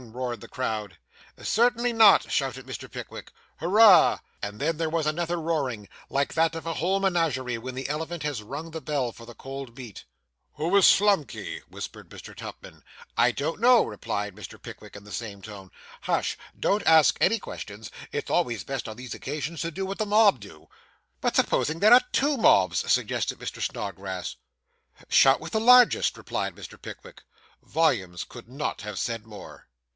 roared the crowd. 'Certainly not!' shouted Mr. Pickwick. 'Hurrah!' And then there was another roaring, like that of a whole menagerie when the elephant has rung the bell for the cold meat. 'Who is Slumkey?' whispered Mr. Tupman. 'I don't know,' replied Mr. Pickwick, in the same tone. 'Hush. Don't ask any questions. It's always best on these occasions to do what the mob do.' 'But suppose there are two mobs?' suggested Mr. Snodgrass. 'Shout with the largest,' replied Mr. Pickwick. Volumes could not have said more.